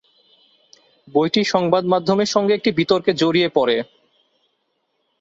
বইটি সংবাদমাধ্যমের সঙ্গে একটি বিতর্কে জড়িয়ে পড়ে।